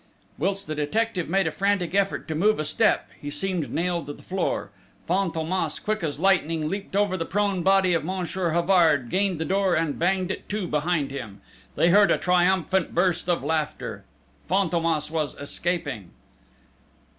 Whilst the detective made a frantic effort to move a step he seemed nailed to the floor Fantômas, quick as lightning, leaped over the prone body of Monsieur Havard, gained the door, and banged it to behind him!... They heard a triumphant burst of laughter.... Fantômas was escaping!